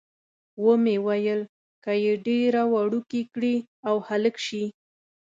ومې ویل، که یې ډېره وړوکې کړي او هلک شي.